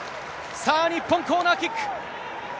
さあ、日本、コーナーキック。